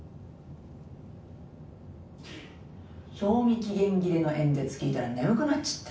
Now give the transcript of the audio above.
「賞味期限切れの演説聞いたら眠くなっちゃった。